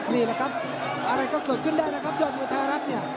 นี่แหละครับอะไรก็เกิดขึ้นได้นะครับยอดมวยไทยรัฐเนี่ย